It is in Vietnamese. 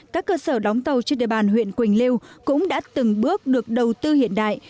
các cơ sở đóng tàu trên địa bàn huyện quỳnh lưu cũng đã từng bước được đầu tư hiện đại